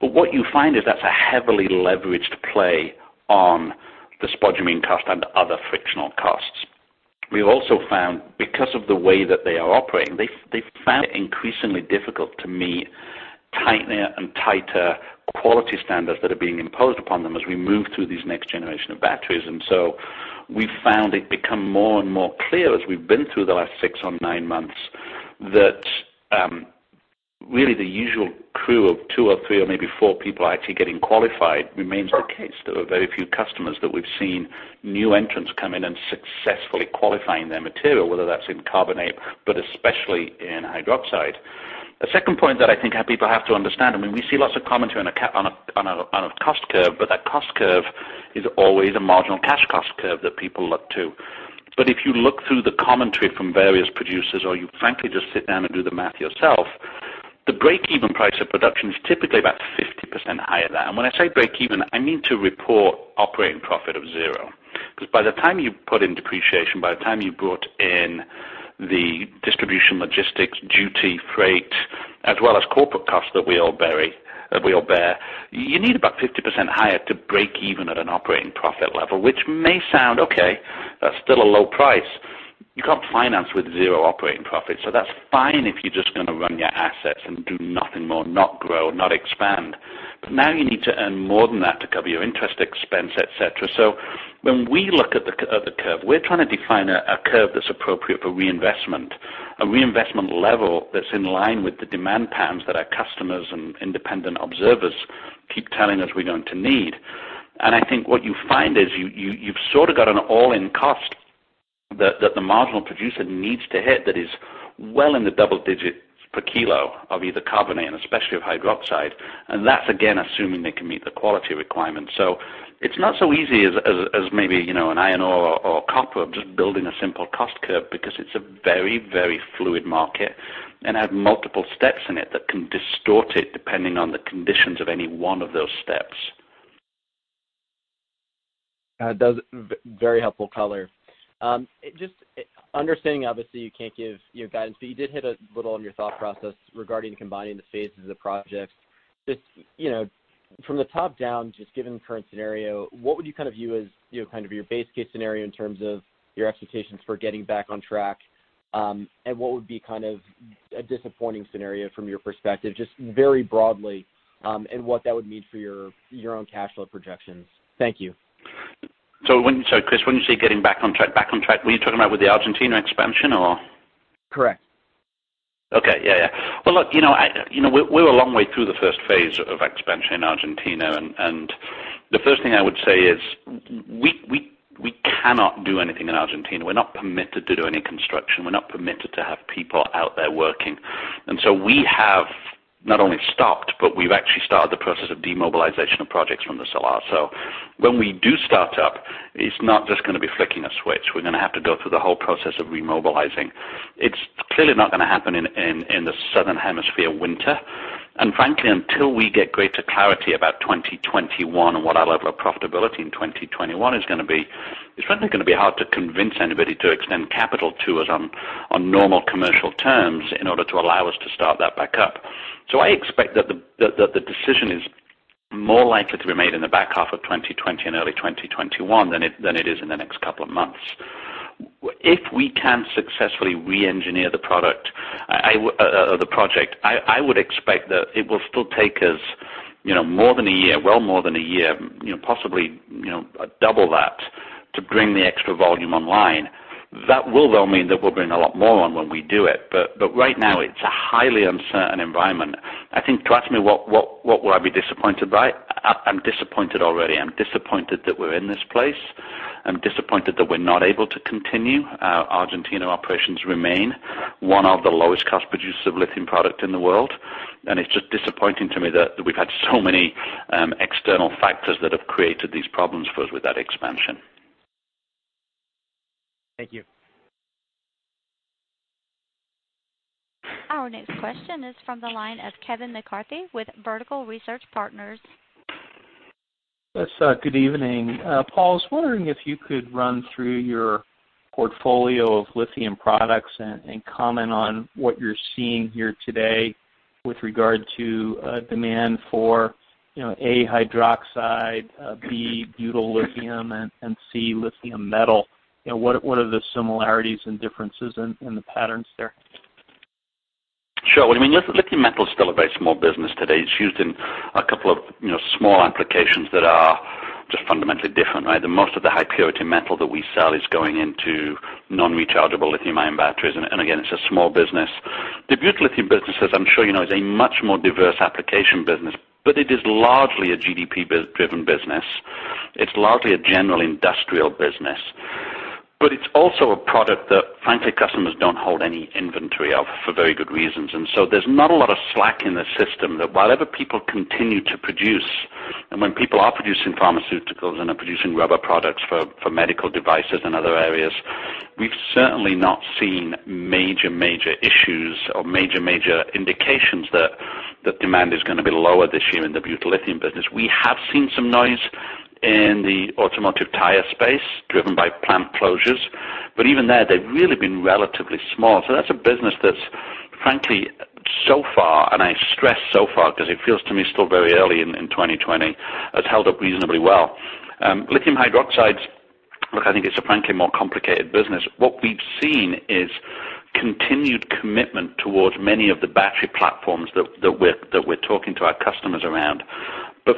What you find is that's a heavily leveraged play. On the spodumene cost, and other frictional costs. We've also found, because of the way that they are operating. They've found it increasingly difficult to meet tighter, and tighter quality standards. That are being imposed upon them, as we move through these next generation of batteries. We've found it become more, and more clear. As we've been through the last six or nine months. That really the usual crew of two or three, or maybe four people actually getting qualified remains the case. There are very few customers, that we've seen new entrants come in, and successfully qualifying their material. Whether that's in carbonate, but especially in hydroxide. A second point, that I think people have to understand. I mean, we see lots of commentary on a cost curve. But that cost curve is always, a marginal cash cost curve that people look to. If you look through the commentary, from various producers. Or you frankly just sit down, and do the math yourself. The break-even price of production is typically about 50% higher than that. When I say break even, I mean to report operating profit of zero. Because by the time you put in depreciation. By the time you brought in, the distribution logistics, duty, freight. As well as corporate costs that we all bear. You need about 50% higher, to break even at an operating profit level. Which may sound okay. That's still a low price. You can't finance, with zero operating profit. That's fine if you're just going to run your assets, and do nothing more, not grow, not expand. Now you need to earn more than that, to cover your interest expense, et cetera. When we look at the curve, we're trying to define a curve that's appropriate for reinvestment. A reinvestment level that's in line, with the demand patterns. That our customers, and independent observers keep telling us we're going to need. I think, what you find is you've sort of got an all-in cost. That the marginal producer needs to hit, that is well in the double digits per kilo. Of either carbonate, and especially of hydroxide. That's again, assuming they can meet the quality requirements. It's not so easy as maybe an iron ore or copper, of just building a simple cost curve. Because it's a very, very fluid market, and have multiple steps in it. That can distort it, depending on the conditions of any one of those steps. That does, very helpful color. Just understanding, obviously, you can't give guidance. But you did hit a little on your thought process, regarding combining the phases of the projects. Just from the top down, just given the current scenario. What would you view, as your base case scenario? In terms of your expectations, for getting back on track? What would be a disappointing scenario from your perspective? Just very broadly, and what that would mean for your own cash flow projections? Thank you. Chris, when you say getting back on track? Are you talking about with the Argentina expansion or? Correct. Okay, yeah. Well, look, you know, we're a long way through the first phase of expansion in Argentina. And the first thing, I would say is we cannot do anything in Argentina. We're not permitted, to do any construction. We're not permitted, to have people out there working. We have not only stopped, but we've actually started the process. Of demobilization of projects from the Salar. When we do start up, it's not just going to be flicking a switch. We're going to have to go through, the whole process of remobilizing. It's clearly not going to happen, in the Southern Hemisphere winter. Frankly, until we get greater clarity about 2021. And what our level of profitability in 2021 is going to be? It's frankly going to be hard to convince anybody, to extend capital to us. On normal commercial terms, in order to allow us to start that back up. I expect that the decision is more likely, to be made in the back half of 2020, and early 2021. Than it is in the next couple of months. If we can successfully re-engineer the project. I would expect that, it will still take us more than a year. Well more than a year, possibly double that to bring the extra volume online. That will though mean, that we'll bring a lot more on when we do it. Right now, it's a highly uncertain environment. I think to ask me, what would I be disappointed by? I'm disappointed already. I'm disappointed, that we're in this place. I'm disappointed, that we're not able to continue. Our Argentina operations remain, one of the lowest cost producers of lithium product in the world. And it's just disappointing to me, that we've had so many external factors. That have created these problems for us with that expansion. Thank you. Our next question is from, the line of Kevin McCarthy with Vertical Research Partners. Yes, good evening. Paul, I was wondering if you could run through your portfolio of lithium products? And comment on, what you're seeing here today? With regard to demand for, A, hydroxide, B, butyllithium, and C, lithium metal. What are the similarities, and differences in the patterns there? Sure. I mean, lithium metal is still a very small business today. It's used in a couple of small applications, that are just fundamentally different, right? Most of the high-purity metal, that we sell is going into non-rechargeable lithium-ion batteries. Again, it's a small business. The butyllithium business, as I'm sure you know, is a much more diverse application business. But it is largely a GDP-driven business. It's largely a general industrial business. It's also a product that, frankly, customers don't hold any inventory of for very good reasons. There's not a lot of slack in the system, that whatever people continue to produce. And when people are producing pharmaceuticals. And are producing rubber products for medical devices, and other areas. We've certainly not seen major issues, or major indications. That demand is going to be lower this year, in the butyllithium business. We have seen some noise in the automotive tire space, driven by plant closures. But even there, they've really been relatively small. that's a business that's frankly, so far, and I stress so far. Because it feels to me still very early in 2020, has held up reasonably well. Lithium hydroxides, look, I think it's a frankly more complicated business. What we've seen is continued commitment, towards many of the battery platforms. That we're talking, to our customers around.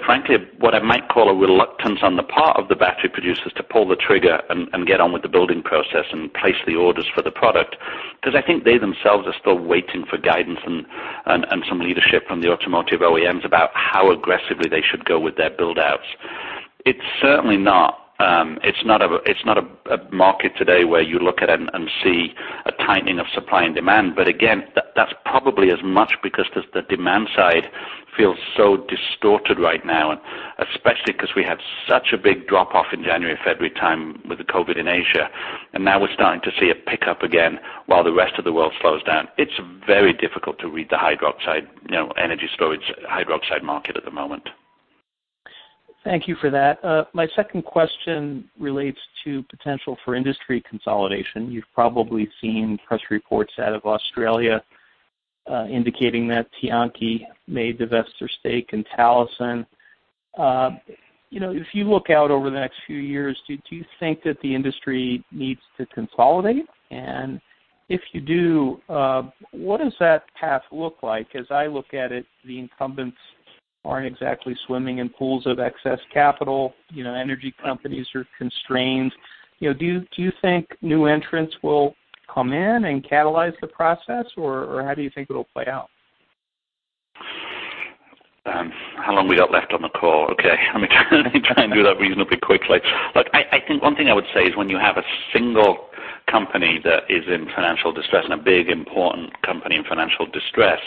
frankly, what I might call a reluctance on the part of the battery producers. To pull the trigger, and get on with the building process. And place the orders for the product, because I think they themselves are still waiting for guidance. And some leadership from the automotive OEMs about, how aggressively they should go with their buildouts. It's certainly not, it's not a market today. Where you look at, and see. A tightening of supply, and demand. Again, that's probably as much, because the demand side feels so distorted right now. And especially, because we had such a big drop-off in January, February time with the COVID in Asia. now we're starting to see a pickup again, while the rest of the world slows down. It's very difficult to read the hydroxide, energy storage hydroxide market at the moment. Thank you for that. My second question relates, to potential for industry consolidation. You've probably seen press reports out of Australia. Indicating that Tianqi, may divest their stake in Talison. If you look out over the next few years, do you think that the industry needs to consolidate? If you do, what does that path look like? As I look at it, the incumbents aren't exactly swimming in pools of excess capital. Energy companies are constrained. Do you think new entrants will come in, and catalyze the process? Or how do you think it'll play out? How long we got left on the call? Okay, let me try, and do that reasonably quickly. Look, I think one thing I would say is, when you have a single company. That is in financial distress, and a big important company in financial distress.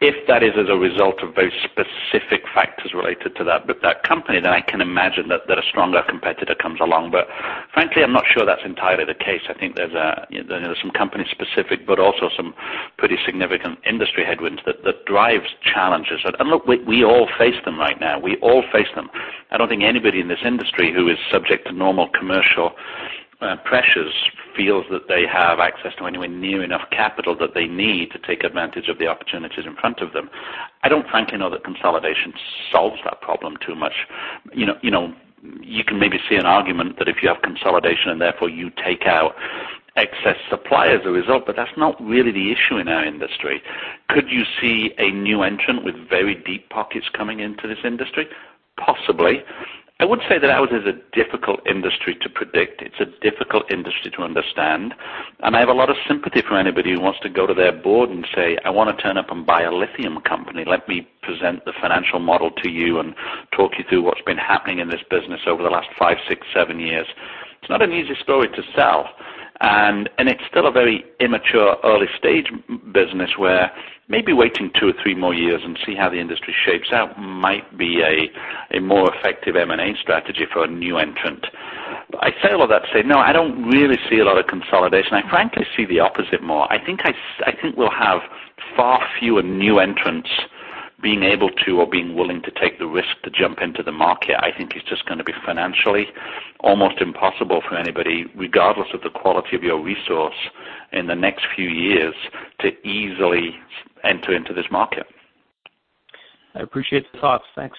If that is as a result of very specific factors, related to that company. Then I can imagine, that a stronger competitor comes along. Frankly, I'm not sure that's entirely the case. I think, there's some company specific. But also, some pretty significant industry headwinds that drives challenges. Look, we all face them right now. We all face them. I don't think anybody in this industry, who is subject to normal commercial. Pressures feels that they have access, to anywhere near enough capital that they need. To take advantage of the opportunities in front of them. I don't, frankly, know that consolidation solves that problem too much. You can maybe see an argument, that if you have consolidation. And therefore, you take out excess supply as a result. But that's not really the issue in our industry. Could you see a new entrant, with very deep pockets coming into this industry? Possibly. I would say that ours is a difficult industry to predict. It's a difficult industry to understand, and I have a lot of sympathy for anybody. Who wants to go to their board, and say, "I want to turn up, and buy a lithium company. Let me present the financial model to you, and talk you through. What's been happening in this business over the last five, six, seven years." It's not an easy story to sell, and it's still a very immature, early-stage business. Where maybe waiting two or three more years, and see how the industry shapes out? Might be a more effective M&A strategy for a new entrant. I say all that to say, no, I don't really see a lot of consolidation. I frankly see the opposite more. I think we'll have far fewer new entrants, being able to or being willing to take the risk, to jump into the market. I think it's just going to be financially almost impossible for anybody. Regardless of the quality of your resource, in the next few years. To easily enter into this market. I appreciate the thoughts. Thanks.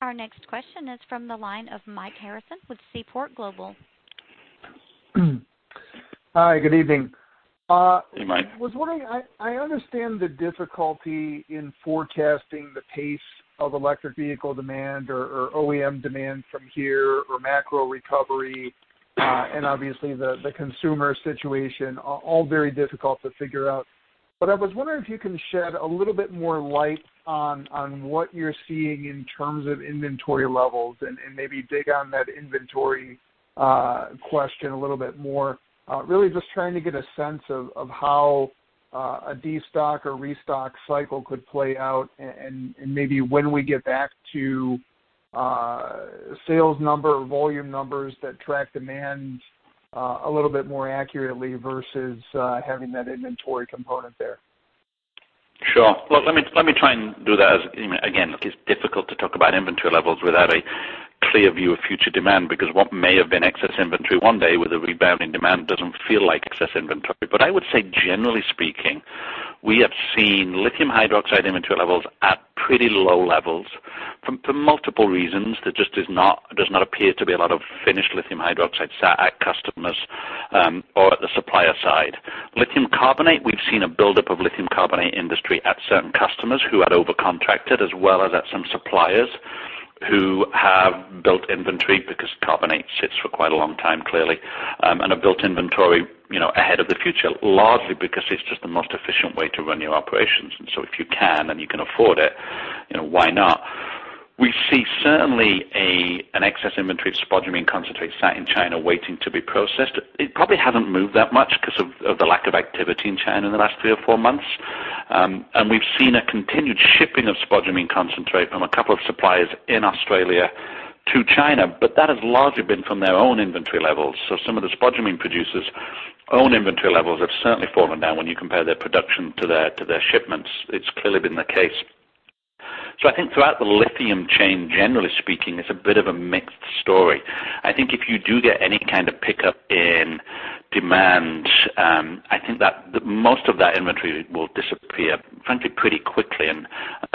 Our next question is from, the line of Mike Harrison with Seaport Global. Hi, good evening. Hey, Mike. I was wondering, I understand the difficulty, in forecasting the pace of electric vehicle demand? Or OEM demand from here or macro recovery. And obviously the consumer situation, all very difficult to figure out. I was wondering, if you can shed a little bit more light? On what you're seeing in terms of inventory levels, and maybe dig on that inventory question a little bit more? Really just trying to get a sense of, how a destock or restock cycle could play out? And maybe when we get back to sales number, volume numbers that track demand? A little bit more accurately, versus having that inventory component there. Sure. Well, let me try and do that. Again, it's difficult to talk about inventory levels, without a clear view of future demand. Because what may have been excess inventory one day, with a rebounding demand doesn't feel like excess inventory. I would say, generally speaking, we have seen lithium hydroxide inventory levels at pretty low levels. For multiple reasons, there just does not appear. To be a lot of finished lithium hydroxide, sat at customers or at the supplier side. Lithium carbonate, we've seen a buildup of lithium carbonate industry. At certain customers, who had over-contracted? As well as at some suppliers, who have built inventory. Because carbonate sits for quite a long time. Clearly, and have built inventory ahead of the future. Largely because it's just the most efficient way, to run your operations. If you can, and you can afford it, why not? We see certainly, an excess inventory of spodumene concentrate, sat in China waiting to be processed. It probably hasn't moved that much, because of the lack of activity in China, in the last three or four months. We've seen a continued shipping of spodumene concentrate, from a couple of suppliers in Australia to China. But that has largely been, from their own inventory levels. Some of the spodumene producers' own inventory levels, have certainly fallen down. When you compare their production, to their shipments. It's clearly been the case. I think throughout the lithium chain, generally speaking, it's a bit of a mixed story. I think if you do get, any kind of pickup in demand. I think that most of that inventory, will disappear frankly pretty quickly.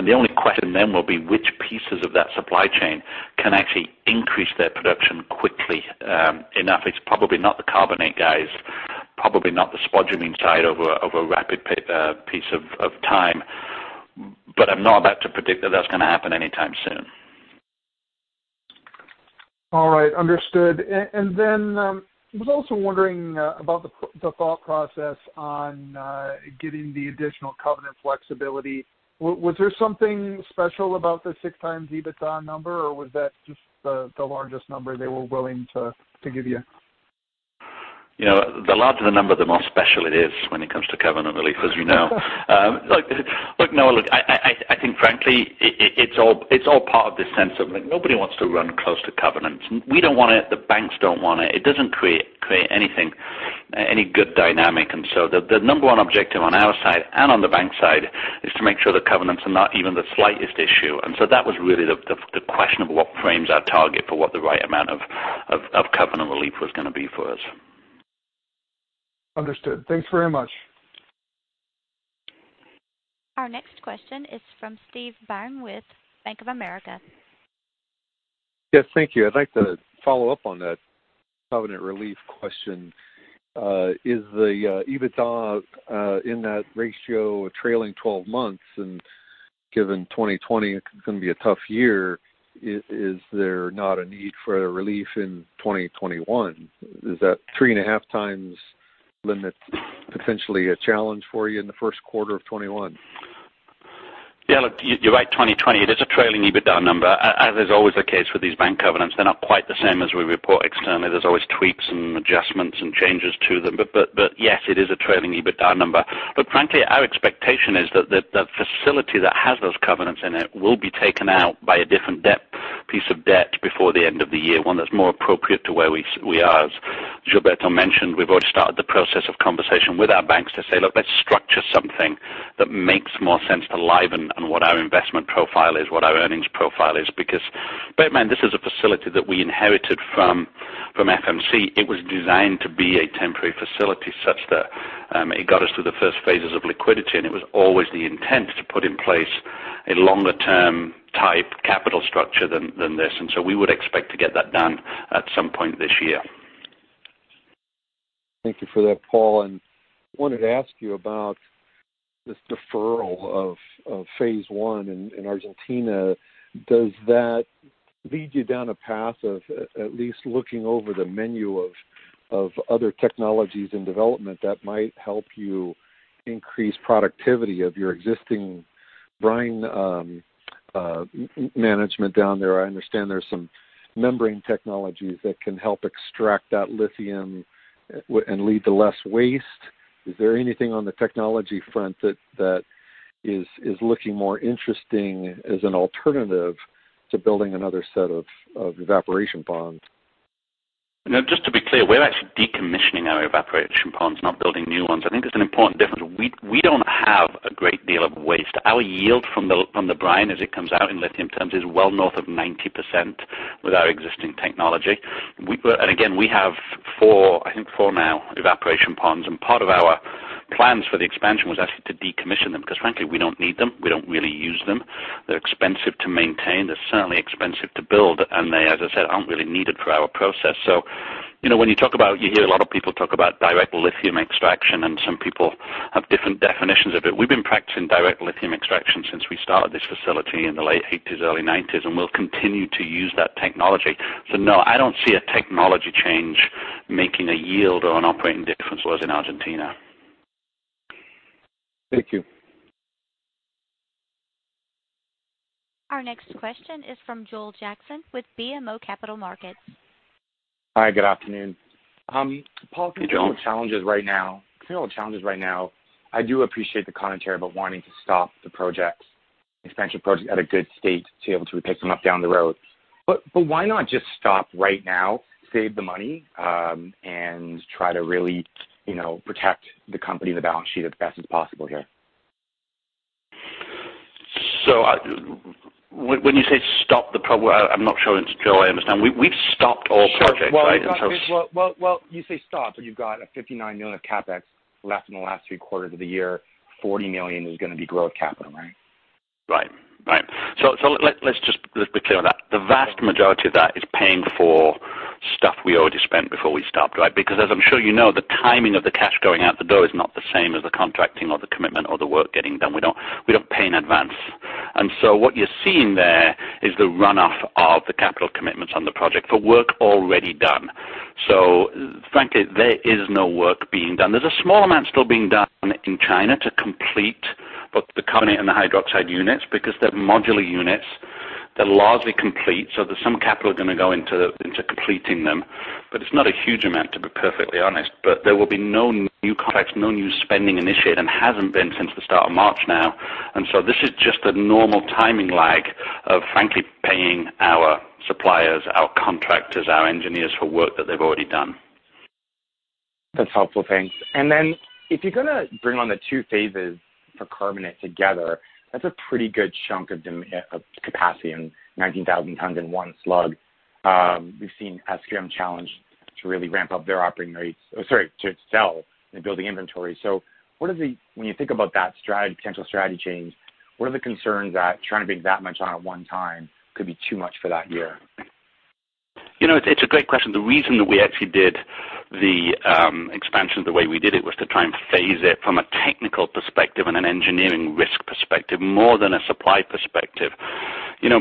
The only question then will be, which pieces of that supply chain. Can actually increase their production quickly enough. It's probably not the carbonate guys. Probably, not the spodumene side, over a rapid piece of time. I'm not about to predict that, that's going to happen anytime soon. All right, understood. I was also wondering about, the thought process on getting the additional covenant flexibility? Was there something special, about the 6x EBITDA number? Or was that just the largest number, they were willing to give you? The larger the number, the more special it is. When it comes to covenant relief, as you know. Look, Mike, I think frankly, it's all part of this sense, of nobody wants to run close to covenants. We don't want it, the banks don't want it. It doesn't create any good dynamic. The number one objective on our side, and on the bank side is to make sure. That covenants are not even the slightest issue. That was really the question of, what frames our target for? What the right amount of covenant relief, was going to be for us. Understood, thanks very much. Our next question is from, Steve Byrne with Bank of America. Yes, thank you. I'd like to follow up on that covenant relief question. Is the EBITDA in that ratio trailing 12 months? Given 2020 is going to be a tough year, is there not a need for relief in 2021? Is that 3.5x limit potentially a challenge for you, in the first quarter of 2021? Yeah, look, you're right, 2020, it is a trailing EBITDA number. As is always the case, with these bank covenants. They're not quite the same, as we report externally. There's always tweaks, and adjustments, and changes to them. Yes, it is a trailing EBITDA number. Frankly, our expectation is that the facility, that has those covenants in it. Will be taken out, by a different piece of debt. Before the end of the year, one that's more appropriate to where we are. As Gilberto mentioned, we've already started the process of conversation. With our banks to say, "Look, let's structure something that makes more sense to Livent, and what our investment profile is? What our earnings profile is?" Batman, this is a facility that we inherited from FMC. It was designed, to be a temporary facility. Such that it got us, through the first phases of liquidity. It was always the intent, to put in place a longer-term type capital structure than this. We would expect to get, that done at some point this year. Thank you for that, Paul. I wanted to ask you, about this deferral of phase I in Argentina. Does that lead you down, a path of at least looking over the menu of other technologies, and development? That might help you, increase productivity of your existing brine management down there? I understand, there is some membrane technologies. That can help extract that lithium, and lead to less waste. Is there anything on the technology front, that is looking more interesting as an alternative? To building another set of evaporation ponds? Just to be clear, we're actually decommissioning our evaporation ponds, not building new ones. I think there's an important difference. We don't have a great deal of waste. Our yield from the brine, as it comes out in lithium terms is well north of 90%, with our existing technology. Again, we have four, I think four now, evaporation ponds. And part of our plans for the expansion, was actually to decommission them. Because frankly, we don't need them. We don't really use them. They're expensive to maintain. They're certainly expensive to build, and they, as I said, aren't really needed for our process. When you hear a lot of people talk, about direct lithium extraction. And some people have different definitions of it. We've been practicing direct lithium extraction, since we started this facility in the late 1980s, early 1990s. And we'll continue, to use that technology. No, I don't see a technology change making a yield, or an operating difference for us in Argentina. Thank you. Our next question is from, Joel Jackson with BMO Capital Markets. Hi, good afternoon. Hey, Joel. Paul, considering all the challenges right now. I do appreciate the commentary, about wanting to stop the expansion projects. At a good state, to be able to pick them up down the road. Why not just stop right now, save the money? And try to really protect the company, the balance sheet as best as possible here? When you say I'm not sure, Joel, I understand. We've stopped all projects, right? Sure. Well, you say stopped, but you've got a $59 million of CapEx. Left in the last three quarters of the year, $40 million is going to be growth capital, right? Right, let's just be clear on that. The vast majority of that is paying for stuff, we already spent before we stopped, right? Because as I'm sure you know, the timing of the cash going out the door is not the same. As the contracting, or the commitment or the work getting done. We don't pay in advance. What you're seeing there is, the runoff of the capital commitments. On the project for work already done. Frankly, there is no work being done. There's a small amount still being done in China. To complete both the carbonate, and the hydroxide units. Because they're modular units, they're largely complete. So, there's some capital going, to go into completing them. It's not a huge amount, to be perfectly honest. There will be no new contracts, no new spending initiated. And hasn't been since the start of March now. this is just a normal timing lag of, frankly, paying our suppliers, our contractors. Our engineers for work, that they've already done. That's helpful, thanks. Then if you're going to bring on the two phases for carbonate together. That's a pretty good chunk of capacity in 19,000 tons in one slug. We've seen SQM challenged to really sell, and building inventory. When you think about that potential strategy change? What are the concerns, that trying to bring that much on at one time? Could be too much for that year? It's a great question. The reason that we actually did the expansion. The way we did it was to try, and phase it. From a technical perspective, and an engineering risk perspective more than a supply perspective.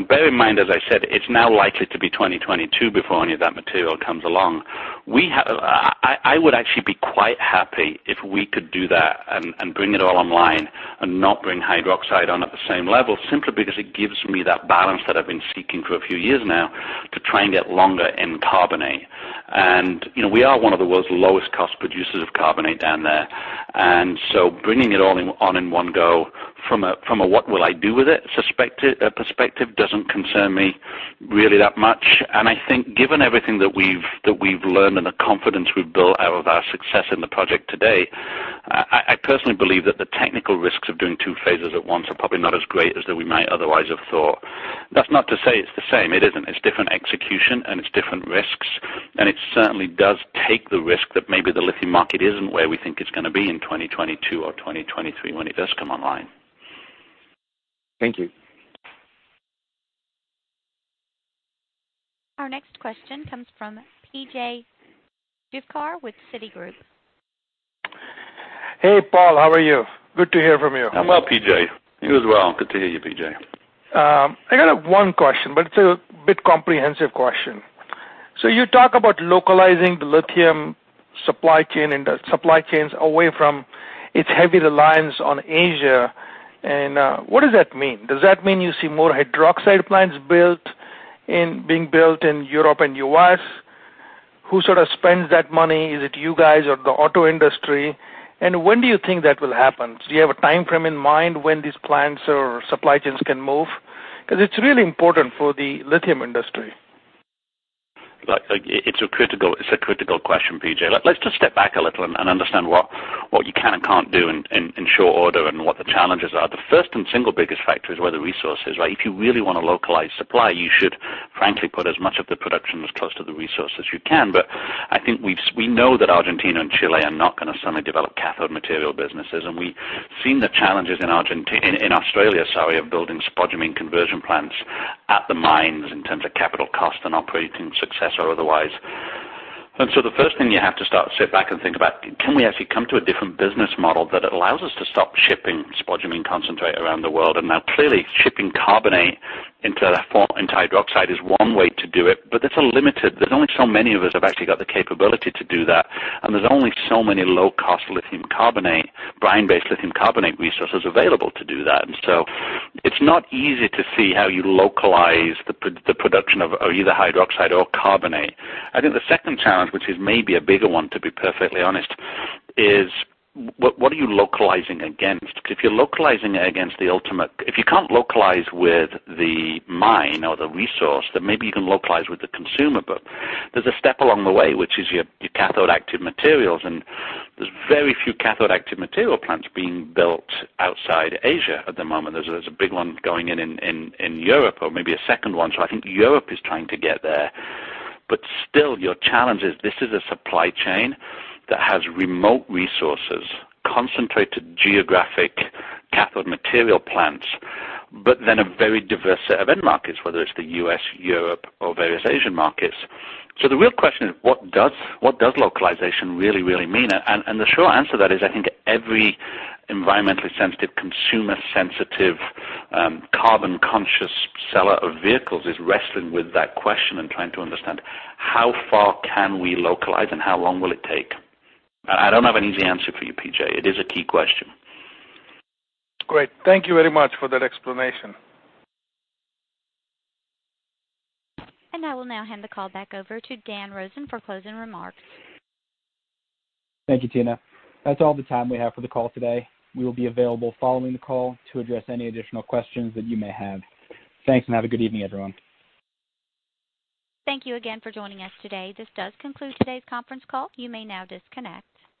Bear in mind, as I said, it's now likely to be 2022, before any of that material comes along. I would actually be quite happy, if we could do that. And bring it all online, and not bring hydroxide on at the same level. Simply because it gives me that balance, that I've been seeking for a few years now. To try, and get longer in carbonate. We are one of the world's lowest cost producers of carbonate down there. Bringing it all on in one go, from a what will I do with it, perspective doesn't concern me really that much. I think, given everything that we've learned. And the confidence, we've built out of our success in the project to date, I personally believe, that the technical risks of doing two phases at once. Are probably not as great, as that we might otherwise have thought. That's not to say, it's the same. It isn't. It's different execution, and it's different risks. And it certainly, does take the risk. That maybe the lithium market isn't, where we think it's going to be in 2022 or 2023. When it does come online. Thank you. Our next question comes from, P.J. Juvekar with Citigroup. Hey, Paul, how are you? Good to hear from you. I'm well, P.J. You as well. Good to hear you, P.J. I got one question, but it's a bit comprehensive question. You talk about localizing the lithium supply chain, and the supply chains away from its heavy reliance on Asia. What does that mean? Does that mean you see more, hydroxide plants being built in Europe and U.S.? Who sort of spends that money? Is it you guys or the auto industry? When do you think that will happen? Do you have a timeframe in mind, when these plants or supply chains can move? Because it's really important for the lithium industry. It's a critical question, P.J. Let's just step back a little, and understand. What you can, and can't do in short order? And what the challenges are? The first and single biggest factor is, where the resource is, right? If you really want to localize supply, you should frankly put as much of the production. As close to the resource as you can. I think we know that Argentina, and Chile are not going to suddenly develop cathode material businesses. And we've seen the challenges, in Australia of building spodumene conversion plants. At the mines in terms of capital cost, and operating success or otherwise. The first thing you have to start, sit back, and think about. Can we actually come to a different business model? That allows us to stop shipping spodumene concentrate around the world. Now clearly, shipping carbonate into hydroxide is one way to do it, but it's limited. There's only so many of us, have actually got the capability to do that. And there's only so many low-cost lithium carbonate, brine-based lithium carbonate resources available to do that. it's not easy to see, how you localize the production of either hydroxide or carbonate. I think the second challenge, which is maybe a bigger one. To be perfectly honest, is what are you localizing against? Because if you can't localize, with the mine or the resource. Then maybe you can localize with the consumer. There's a step along the way, which is your Cathode Active Materials? And there's very few Cathode Active Material plants, being built outside Asia at the moment. There's a big one going in Europe, or maybe a second one. I think, Europe is trying to get there. Still, your challenge is this is a supply chain, that has remote resources. Concentrated geographic cathode material plants, but then a very diverse set of end markets. Whether it's the U.S., Europe, or various Asian markets. The real question is, what does localization really mean? The short answer to that is, I think every environmentally sensitive, consumer sensitive. Carbon-conscious seller of vehicles is wrestling, with that question, and trying to understand. How far can we localize? And how long will it take? I don't have an easy answer for you, P.J. It is a key question. Great. Thank you very much, for that explanation. I will now hand the call back over, to Dan Rosen for closing remarks. Thank you, Tina. That's all the time, we have for the call today. We will be available following the call, to address any additional questions that you may have. Thanks, and have a good evening, everyone. Thank you again, for joining us today. This does conclude today's conference call. You may now disconnect.